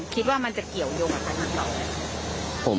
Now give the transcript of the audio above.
คิดว่ามันจะเกี่ยวโยงกับภัณฑ์ของเราไหม